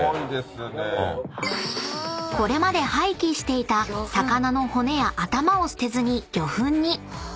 ［これまで廃棄していた魚の骨や頭を捨てずに魚粉に］